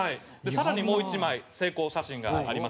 さらにもう１枚成功写真があります。